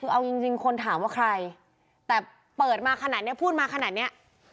คือเอาจริงจริงคนถามว่าใครแต่เปิดมาขนาดนี้พูดมาขนาดเนี้ย